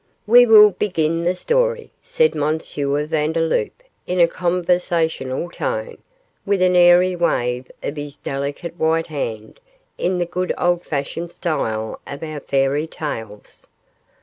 'We will begin the story,' said M. Vandeloup, in a conversational tone, with an airy wave of his delicate white hand, 'in the good old fashioned style of our fairy tales.